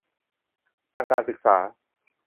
ทางการศึกษา